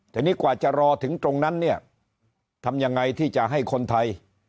ทีนี้กว่าจะรอถึงตรงนั้นเนี่ยทำยังไงที่จะให้คนไทย